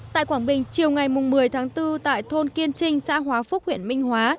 tại quảng bình chiều ngày một mươi tháng bốn tại thôn kiên trinh xã hóa phúc huyện minh hóa